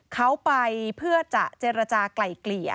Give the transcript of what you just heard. เขาไปเพื่อจะเจรจากลายเกลี่ย